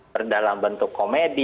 berdalam bentuk komedi